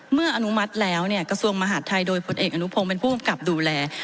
เมื่ออนุมัติแล้วเนี่ยกระทรวงมหาดไทยโดยผลเอกอนุโพงเป็นผู้กับดูแล